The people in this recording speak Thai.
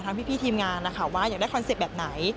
พี่ทีมงานนะคะว่าอยากได้คอนเซ็ปต์แบบไหน